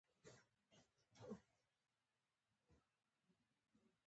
د سپوږمۍ په لوري تلله